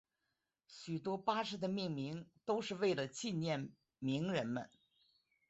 许多巴士的命名都是为了纪念名人们。